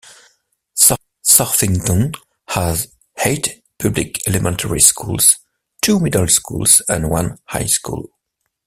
Southington has eight public elementary schools, two middle schools and one high school.